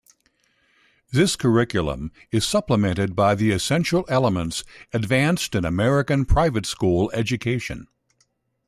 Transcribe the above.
This curriculum is supplemented by the essential elements advanced in American private-school education.